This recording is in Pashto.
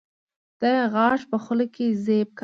دا يې غاښ په خوله کې زېب کا